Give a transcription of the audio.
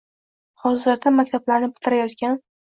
Hozirda maktablarni bitirayotgan: